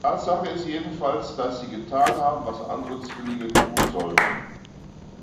Tatsache ist jedenfalls, dass sie getan haben, was andere Zwillinge tun sollten.